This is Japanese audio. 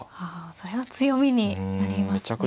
それは強みになりますね。